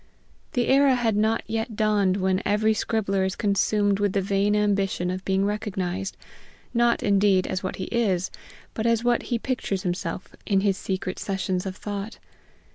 The era had not yet dawned when every scribbler is consumed with the vain ambition of being recognized, not, indeed, as what he is, but as what he pictures himself in his secret sessions of thought.